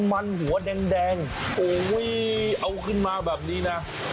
มันหัวแดงโอ้ยเอาขึ้นมาแบบนี้นะ